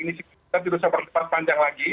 ini sih kita tidak bisa bertepat panjang lagi